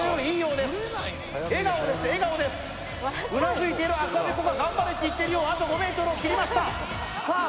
うなずいている赤べこが頑張れって言っているようあと５ｍを切りましたさあ